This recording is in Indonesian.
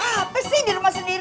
eh ada apa sih di rumah sendiri